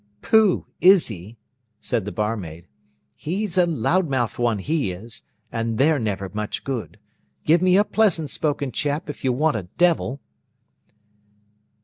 "Pooh! is he?" said the barmaid. "He's a loud mouthed one, he is, and they're never much good. Give me a pleasant spoken chap, if you want a devil!"